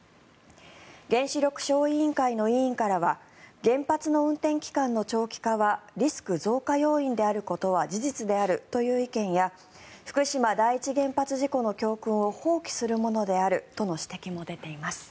原子力小委員会の委員からは原発の運転期間の長期化はリスク増加要因であることは事実であるという意見や福島第一原発事故の教訓を放棄するものであるとの指摘も出ています。